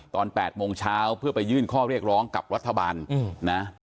ตอน๘โมงเช้าเพื่อไปยื่นข้อเรียกร้องกับรัฐบาลนะ